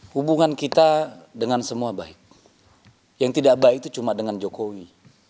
hubungan kita dengan semua baik yang tidak baik itu cuma dengan jokowi